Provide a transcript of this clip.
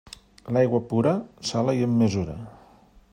L'aigua pura, sola i amb mesura.